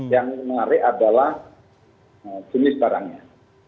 yang menarik adalah jenis barangnya